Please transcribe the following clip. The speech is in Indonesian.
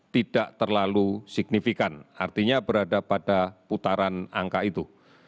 tidak terlalu signifikan artinya berada pada putaran angka itu